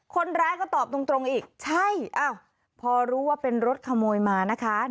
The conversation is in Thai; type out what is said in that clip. คนร้ายก็ตอบตรงอีกใช่พอรู้ว่าเป็นรถขโมยมานะคะ